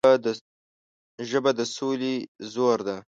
ژبه د سولې زور ده